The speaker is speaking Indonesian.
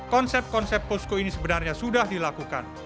konsep konsep posko ini sebenarnya sudah dilakukan